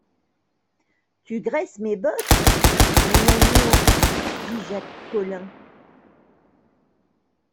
Tu graisse mes bottes ! mon amour, dit Jacques Collin.